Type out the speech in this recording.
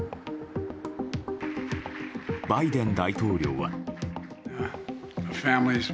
バイデン大統領は。